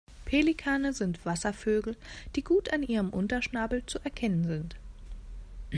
Pelikane sind Wasservögel, die gut an ihrem Unterschnabel zu erkennen sind.